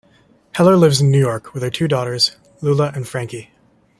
Heller lives in New York with her two daughters, Lula and Frankie.